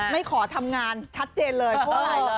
ไม่ขอทำงานชัดเจนเลยเพราะอะไร